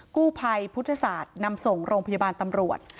กู้ภัยพุทธศาสตร์นำส่งโรงพยาบาลตำรวจ